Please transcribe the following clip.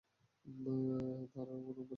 থারাপ কোন অভ্যাস আছে?